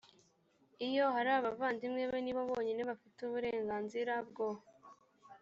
iyo hari abavandimwe be ni bo bonyine bafite uburenganzira bwo